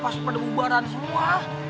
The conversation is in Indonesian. pasti pada ubaraan semua